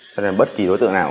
cho nên bất kỳ đối tượng nào